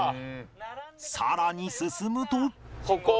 さらに進むと